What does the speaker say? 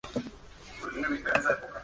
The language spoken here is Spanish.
Peter finaliza al besar el ataúd de Nathan.